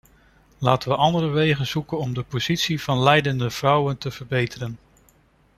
Laten we andere wegen zoeken om de positie van lijdende vrouwen te verbeteren.